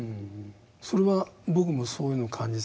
それは僕もそういうのを感じた。